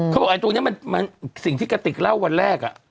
เขาบอกตัวนี้สิ่งที่กะติกเล่าวันแรก